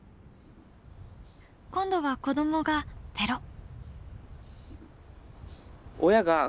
今度は子どもがぺろっ。